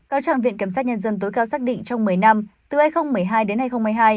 cáo trạng viện kiểm sát nhân dân tối cao xác định trong một mươi năm từ hai nghìn một mươi hai đến hai nghìn hai mươi hai